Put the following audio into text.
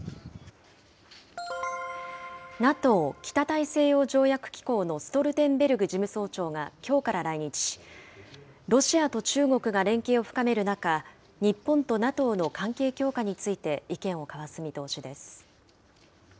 ＮＡＴＯ・北大西洋条約機構のストルテンベルグ事務総長が、きょうから来日し、ロシアと中国が連携を深める中、日本とＮＡＴＯの関係強化について意見を交わす見通しです。